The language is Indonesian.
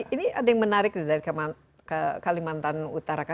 ini ada yang menarik dari kalimantan utara kan